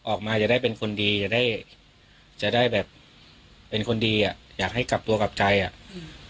ออกมาจะได้เป็นคนดีจะได้จะได้แบบเป็นคนดีอ่ะอยากให้กลับตัวกลับใจอ่ะอืม